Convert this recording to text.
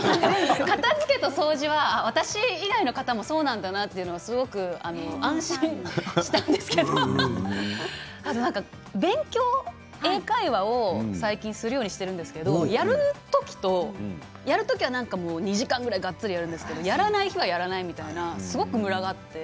片づけと掃除は私以外の方もそうなんだなとすごく安心したんですけど勉強、英会話を最近するようにしているんですけどやるときは２時間ぐらいがっつりやるんですけれどもやらない日はやらないみたいなすごくムラがあって。